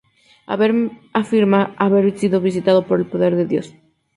Heber afirma haber sido visitado por el poder de Dios.